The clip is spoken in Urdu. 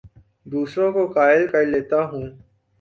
دوسروں کو قائل کر لیتا ہوں